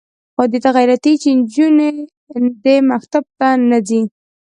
خو دې ته غیرتي یې چې نجونې دې مکتب ته نه ځي.